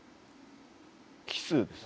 奇数です。